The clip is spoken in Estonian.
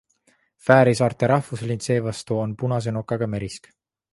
Fääri saarte rahvuslind seevastu on punase nokaga merisk.